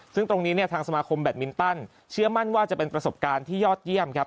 ซึ่งตรงนี้เนี่ยทางสมาคมแบตมินตันเชื่อมั่นว่าจะเป็นประสบการณ์ที่ยอดเยี่ยมครับ